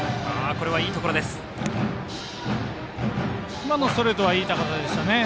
今のストレートはいい高さでしたね。